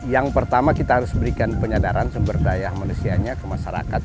yang pertama kita harus berikan penyadaran sumber daya manusianya ke masyarakat